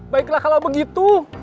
baiklah kalau begitu